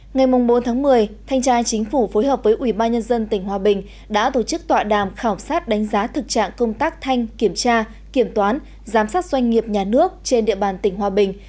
ngày bốn một mươi thanh trai chính phủ phối hợp với ubnd tỉnh hòa bình đã tổ chức tọa đàm khảo sát đánh giá thực trạng công tác thanh kiểm tra kiểm toán giám sát doanh nghiệp nhà nước trên địa bàn tỉnh hòa bình